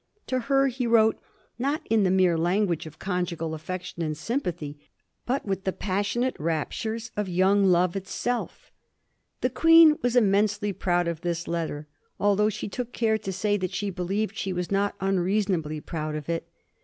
To her he wrote, not in the mere l^ignage of conjngal affection and sjrmpathy, bnt with the passionate raptnrea of young love itself. The Qaeen was immensely prood of this letter, althongh she took care to say that she believed she was not nnreason ably prond of it.